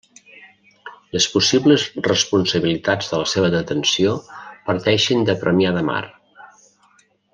Les possibles responsabilitats de la seva detenció parteixen de Premià de Mar.